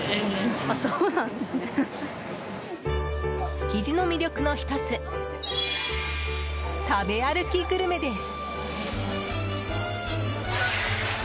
築地の魅力の１つ食べ歩きグルメです。